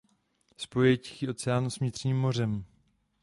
Spojuje Tichý oceán s Vnitřním mořem.